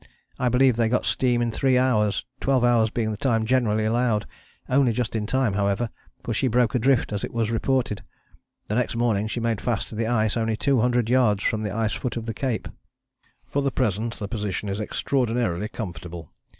I believe they got steam in three hours, twelve hours being the time generally allowed: only just in time, however, for she broke adrift as it was reported. The next morning she made fast to the ice only 200 yards from the ice foot of the Cape. "For the present the position is extraordinarily comfortable.